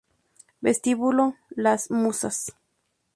Vestíbulo Las Musas